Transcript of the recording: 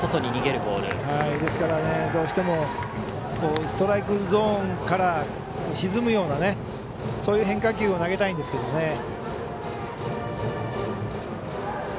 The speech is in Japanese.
ですから、どうしてもストライクゾーンから沈むようなそういう変化球を投げたいんですけどね。